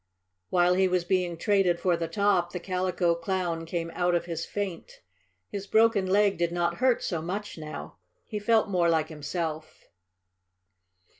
While he was being traded for the top the Calico Clown came out of his faint. His broken leg did not hurt so much now. He felt more like himself.